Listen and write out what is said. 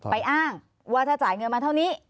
อ้างว่าถ้าจ่ายเงินมาเท่านี้